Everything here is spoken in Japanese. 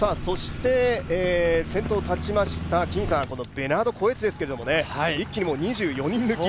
先頭に立ちましたベナード・コエチですけれども、一気に２４人抜き。